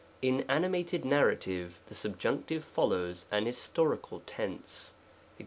In ani mated narrative the subjunctive follows an historical tense, ^cc.